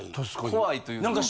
怖いというのは？